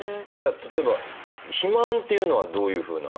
例えば「肥満」というのはどういうふうな？